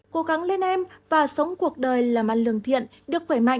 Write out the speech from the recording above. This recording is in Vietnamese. cố gắng lên em và sống cuộc đời là mặt lương thiện được khỏe mạnh